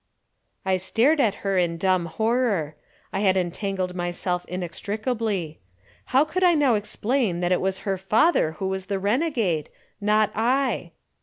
I stared at her in dumb horror. I had entangled myself inextricably. How could I now explain that it was her father who was the renegade, not I?